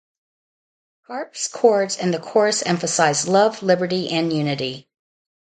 Harps, cords and the chorus emphasize love, liberty, and unity.